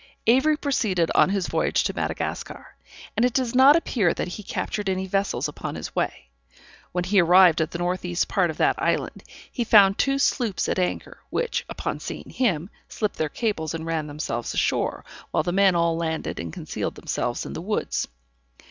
Avery proceeded on his voyage to Madagascar, and it does not appear that he captured any vessels upon his way. When arrived at the northeast part of that island, he found two sloops at anchor, which, upon seeing him, slipped their cables and ran themselves ashore, while the men all landed and concealed themselves in the woods.